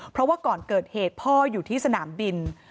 เพราะว่าก่อนเกิดเหตุพ่ออยู่ที่สนามบิน